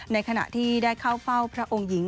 ในขณะที่ได้เข้าเฝ้าพระองค์หญิง